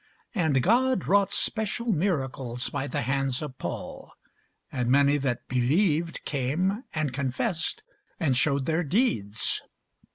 And God wrought special miracles by the hands of Paul: and many that believed came, and confessed, and shewed their deeds.